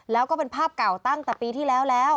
แล้วก็เป็นภาพเก่าตั้งแต่ปีที่แล้วแล้ว